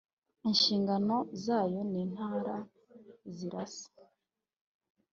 inshingano zayo n Intara zirasa